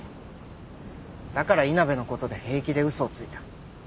だから稲辺のことで平気で嘘をついた。